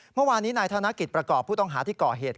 เมื่อวานนี้นายธนกิจประกอบผู้ต้องหาที่ก่อเหตุ